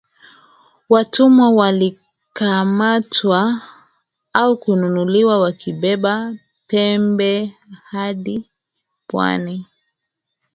Watumwa walikamatwa au kununuliwa wakibeba pembe hadi pwani